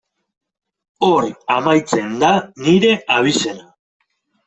Hor amaitzen da nire abizena.